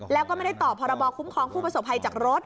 แล้วก็ไม่ได้ต่อพรบคุ้มครองผู้ประสบภัยจากรถ